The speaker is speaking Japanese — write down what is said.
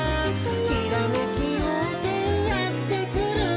「ひらめきようせいやってくる」